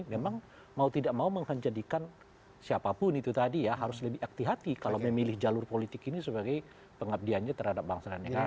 memang mau tidak mau dijadikan siapapun itu tadi ya harus lebih aktif kalau memilih jalur politik ini sebagai pengabdiannya terhadap bangsa dan negara